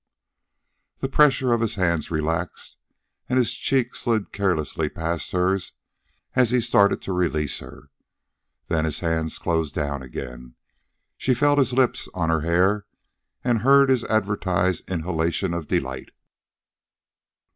The pressure of his hands relaxed, and his cheek slid caressingly past hers as he started to release her. Then his hands closed down again. She felt his lips on her hair and heard his advertised inhalation of delight.